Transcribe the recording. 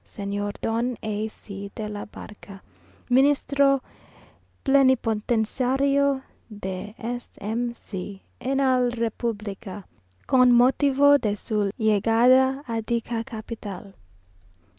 Sr. Don A C de la B , Ministro Plenipotenciario de S. M. C. en la República, con Motivo de su Llegada a dicha Capital.